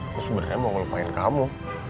aku sebenarnya mau ngelupain kamu